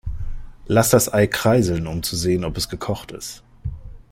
Lass das Ei kreiseln, um zu sehen, ob es gekocht ist.